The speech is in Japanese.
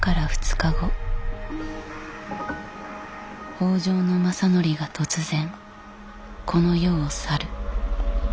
北条政範が突然この世を去る。